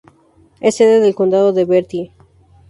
Es sede del condado de Bertie.